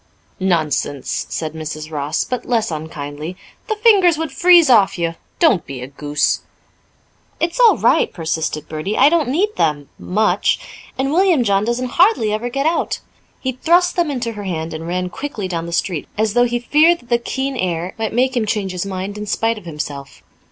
"Nonsense!" said Mrs. Ross, but less unkindly. "The fingers would freeze off you. Don't be a goose." "It's all right," persisted Bertie. "I don't need them much. And William John doesn't hardly ever get out." He thrust them into her hand and ran quickly down the street, as though he feared that the keen air might make him change his mind in spite of himself.